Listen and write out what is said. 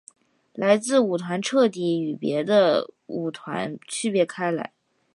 自此舞团彻底与别的舞团区别开来。